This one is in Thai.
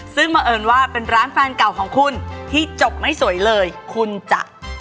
ซึ่งบังเอิญว่าเป็นร้านแฟนเก่าของคุณที่จบไม่สวยเลยคุณจะ